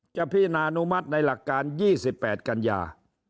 พินานุมัติในหลักการ๒๘กันยา